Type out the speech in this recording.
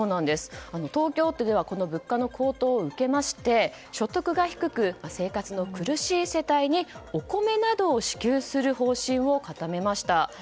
東京都では物価の高騰を受けまして所得が低く生活の苦しい世帯にお米などを支給する方針を固めました。